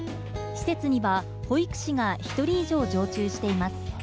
施設には、保育士が１人以上常駐しています。